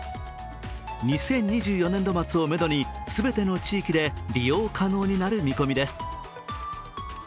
２０２４年度末をめどに全ての地域で利用可能になる見込みです。